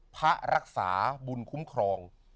พระรักษาบุญคุ้มครอง